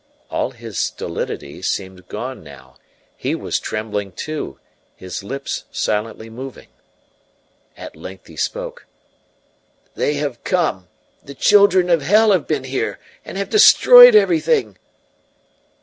All his stolidity seemed gone now; he was trembling too, his lips silently moving. At length he spoke: "They have come the children of hell have been here, and have destroyed everything!"